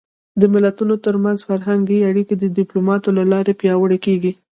د ملتونو ترمنځ فرهنګي اړیکې د ډيپلومات له لارې پیاوړې کېږي.